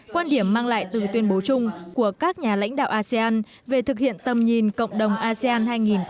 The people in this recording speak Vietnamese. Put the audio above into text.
quan điểm mang lại từ tuyên bố chung của các nhà lãnh đạo asean về thực hiện tầm nhìn cộng đồng asean hai nghìn hai mươi năm